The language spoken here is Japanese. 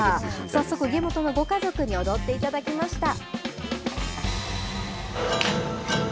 早速家元のご家族に踊っていただきました。